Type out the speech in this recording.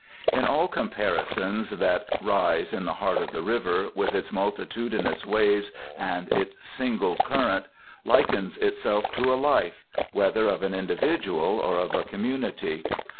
In all comparisons that rise in the heart, the river, with its multitudinous waves and its single current, likens itself to a life, whether of an individual or of a community.